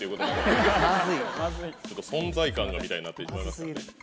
ちょっと「存在感が」みたいになってしまいますからね。